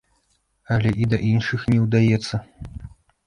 Але і да іншых не ўдаецца.